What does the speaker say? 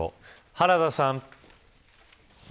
原田さん。